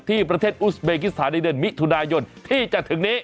ที่ประเทศอุสเบกิสถานในเดือนมิถุนายนที่จะถึงนี้